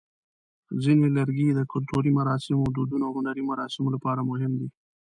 ځینې لرګي د کلتوري مراسمو، دودونو، او هنري مراسمو لپاره مهم دي.